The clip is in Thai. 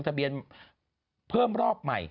ทะเบียนเพิ่มรอบใหม่